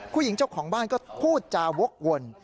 ผู้หญิงเจ้าของบ้านก็พูดจาวกวน